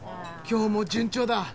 今日も順調だ。